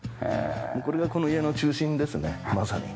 これがこの家の中心ですねまさに。